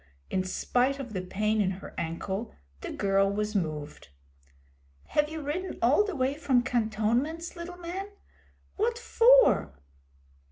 In spite of the pain in her ankle the girl was moved. 'Have you ridden all the way from cantonments, little man? What for?'